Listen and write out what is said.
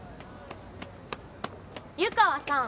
湯川さん